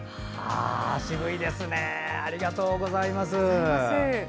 渋いですねありがとうございます。